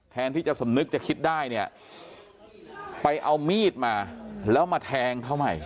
แทนที่จะสำนึกจะคิดได้เนี่ยไปเอามีดมาแล้วมาแทงเขาใหม่